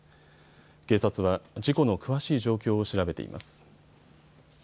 警察は事故の詳しい状況を調べています。